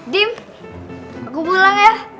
dim aku pulang ya